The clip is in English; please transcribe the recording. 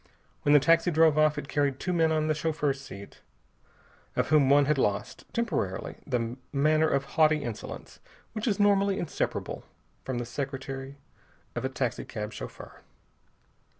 When the taxi drove off, it carried two men on the chauffeur's seat, of whom one had lost, temporarily, the manner of haughty insolence which is normally inseparable from the secretary of a taxicab chauffeur.